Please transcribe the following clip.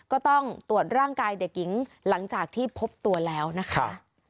ก็ต้องตรวจร่างกายเด็กหญิงหลังจากที่พบตัวแล้วนะคะ